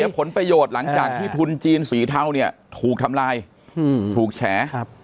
ผลประโยชน์หลังจากที่ทุนจีนสีเทาเนี่ยถูกทำลายถูกแฉ